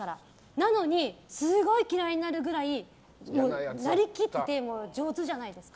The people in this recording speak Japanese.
なのに、すごい嫌いになるくらいなりきってて上手じゃないですか。